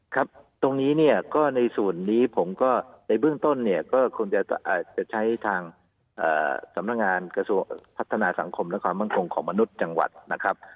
ครับตรงนี้เนี่ยก็ในส่วนนี้ผมก็ในเบื้องต้นเนี่ยก็คงจะใช้ทางสำนักงานกระทรวงพัฒนาสังคมและความมั่นคงของมนุษย์จังหวัดนะครับ